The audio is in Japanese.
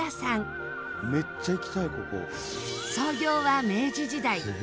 創業は明治時代。